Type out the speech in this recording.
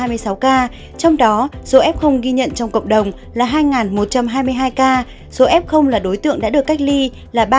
trong đó số f ghi nhận trong cộng đồng là hai một trăm hai mươi hai ca số f là đối tượng đã được cách ly là ba hai trăm linh bốn ca